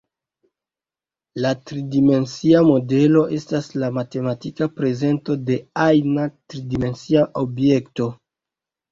Tridimensia modelo estas la matematika prezento de ajna tridimensia objekto.